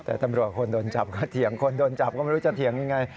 แต่ตำรวจคนโดนจับก็เถียงคนโดนจับก็ไม่รู้จะเถียงยังไง